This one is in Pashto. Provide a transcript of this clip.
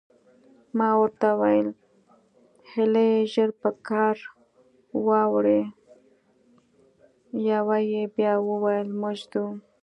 ما ورته وویل: هلئ، ژر په کار واوړئ، یوه یې بیا وویل: موږ ځو.